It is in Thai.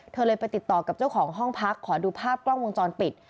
เธอเลยไปติดต่อกับเจ้าของห้องพักขอดูภาพกล้องวงจรปิด